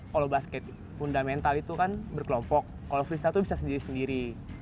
kalau basket fundamental itu kan berkelompok kalau freestyle tuh bisa sendiri sendiri